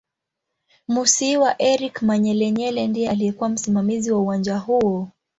Musiiwa Eric Manyelenyele ndiye aliyekuw msimamizi wa uwanja huo